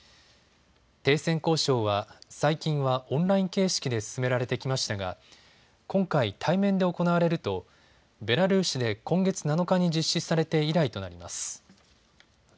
停戦交渉は最近はオンライン形式で進められてきましたが今回、対面で行われるとベラルーシで今月７日に実施されて以来となります。